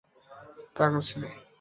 পাগল ছেলে, রাগ করেছে।